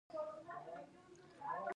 موږ ښځې ته د جنسیت له امله ووایو.